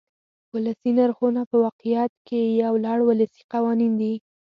ولسي نرخونه په واقعیت کې یو لړ ولسي قوانین دي.